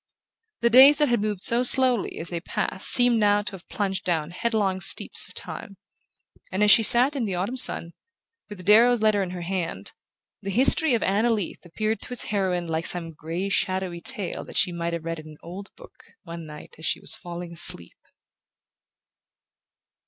The days that had moved so slowly as they passed seemed now to have plunged down head long steeps of time; and as she sat in the autumn sun, with Darrow's letter in her hand, the history of Anna Leath appeared to its heroine like some grey shadowy tale that she might have read in an old book, one night as she was falling asleep...